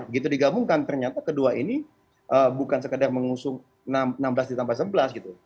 gitu digabungkan ternyata kedua ini bukan sekadar mengusung enam belas ditambah sebelas gitu